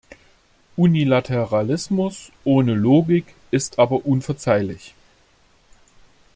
Unilateralismus ohne Logik ist aber unverzeihlich.